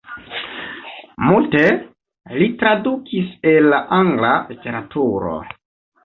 Multe li tradukis el la angla literaturo.